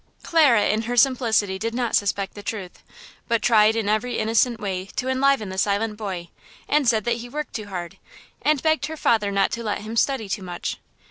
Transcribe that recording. Clara in her simplicity did not suspect the truth; but tried in every innocent way to enliven the silent boy, and said that he worked too hard, and begged her father not to let him study too much.